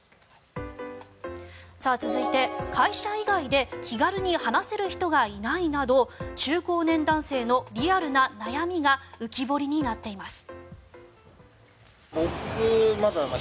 続いて、会社以外で気軽に話せる人がいないなど中高年男性のリアルな悩みが浮き彫りになっています。